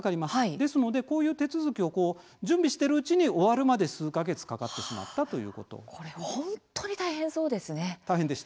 ですので、こういう手続きを準備しているうちに終わるまで数か月かかってしまったということです。